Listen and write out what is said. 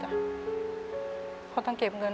แต่ที่แม่ก็รักลูกมากทั้งสองคน